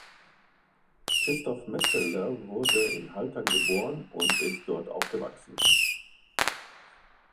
Christoph Metzelder wurde in Haltern geboren und ist dort aufgewachsen.